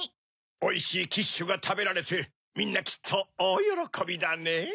おいしいキッシュがたべられてみんなきっとおおよろこびだねぇ。